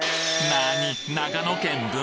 なに？